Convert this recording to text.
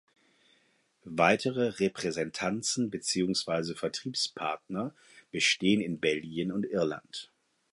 Weitere Repräsentanzen beziehungsweise Vertriebspartner bestehen in Belgien und Irland.